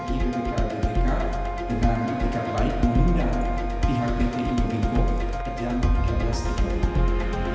jadi segera ke depannya akan dipelajari